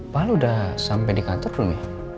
pak lu udah sampai di kantor belum ya